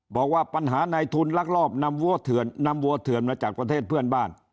บอกว่าปัญหาในทุนลักลอบนำวัวเถื่อนมาจากประเทศเพื่อนบ้าน